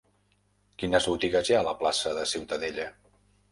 Quines botigues hi ha a la plaça de Ciutadella?